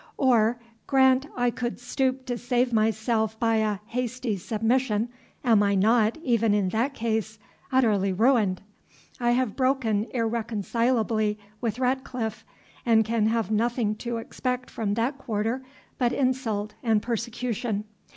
Or, grant I could stoop to save myself by a hasty submission, am I not, even in that case, utterly ruined? I have broken irreconcilably with Ratcliffe, and can have nothing to expect from that quarter but insult and persecution.